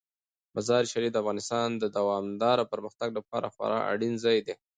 مزارشریف د افغانستان د دوامداره پرمختګ لپاره خورا اړین ځای دی.